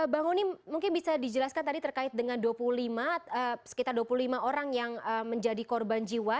bang onim mungkin bisa dijelaskan tadi terkait dengan dua puluh lima sekitar dua puluh lima orang yang menjadi korban jiwa